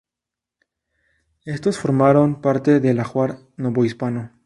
Éstos formaron parte del ajuar novohispano.